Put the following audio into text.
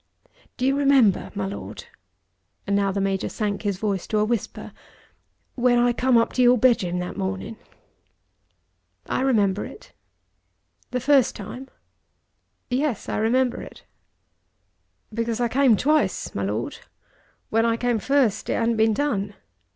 Do you remember, my Lord," and now the Major sank his voice to a whisper, "when I come up to your bedroom that morning?" "I remember it." "The first time?" "Yes; I remember it." "Because I came twice, my Lord. When I came first it hadn't been done.